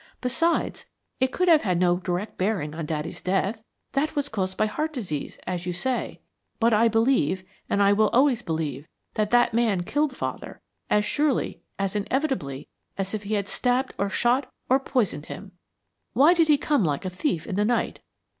Besides, it could have had no direct bearing on daddy's death; that was caused by heart disease, as you say. But I believe, and I always will believe, that that man killed father, as surely, as inevitably, as if he had stabbed or shot or poisoned him! Why did he come like a thief in the night?